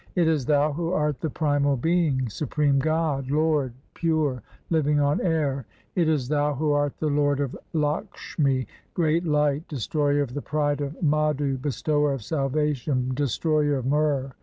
1 It is Thou who art the primal Being, supreme God, Lord, pure, living on air ; It is Thou who art the Lord of Lakshmi, great Light, Destroyer of the pride of Madhu, Bestower of salvation, Destroyer of Mur.